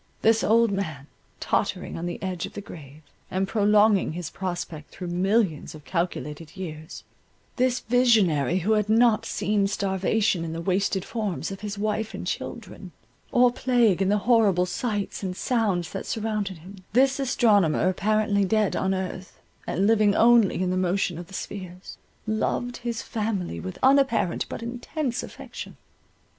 This old man, tottering on the edge of the grave, and prolonging his prospect through millions of calculated years,—this visionary who had not seen starvation in the wasted forms of his wife and children, or plague in the horrible sights and sounds that surrounded him—this astronomer, apparently dead on earth, and living only in the motion of the spheres—loved his family with unapparent but intense affection.